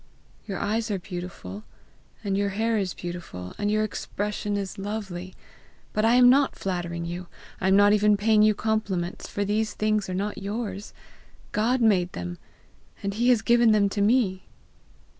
Your eyes are beautiful, and your hair is beautiful, and your expression is lovely. But I am not flattering you I am not even paying you compliments, for those things are not yours; God made them, and has given them to me!"